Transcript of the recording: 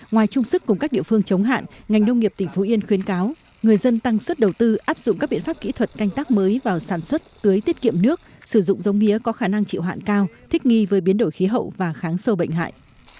ngoài trung sức cùng các địa phương chống hạn ngành nông nghiệp tỉnh phú yên khuyến cáo người dân tăng suất đầu tư áp dụng các biện pháp kỹ thuật canh tác mới vào sản xuất cưới tiết kiệm nước sử dụng giống mía có khả năng chịu hạn cao thích nghi với biến đổi khí hậu và kháng sâu bệnh hại